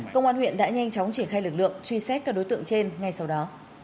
công an huyện đã nhanh chóng triển khai lực lượng truy xét các đối tượng trên ngay sau đó